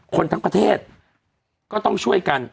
คนทั้งประเทศก็ต้องช่วยกัน